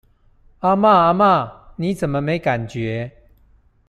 阿嬤阿嬤，你怎麼沒感覺？